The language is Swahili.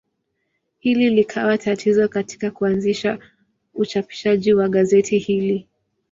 Hili likawa tatizo katika kuanzisha uchapishaji wa gazeti hili.